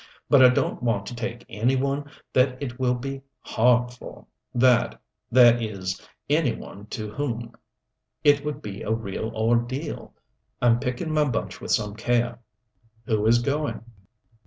But I don't want to take any one that it will be hard for, that that is any one to whom it would be a real ordeal. I'm picking my bunch with some care." "Who is going?"